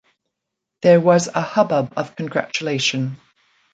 There was a hubbub of congratulation.